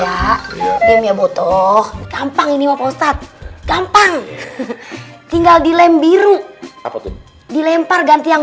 ya ya botoh gampang ini maksud gampang tinggal dilem biru dilempar ganti yang